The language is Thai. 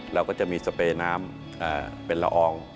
เราก็จะมีสเปรย์น้ำเป็นละออง